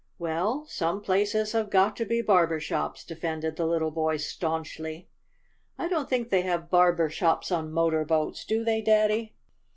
"Well, some places have got to be barber shops," defended the little boy staunchly. "I don't think they have barber shops on motor boats, do they, Daddy?"